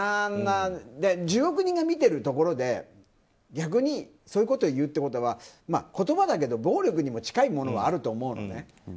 １０億人が見ているところで逆にそういうことを言うってことは言葉だけど暴力に近い部分はあると思うのね。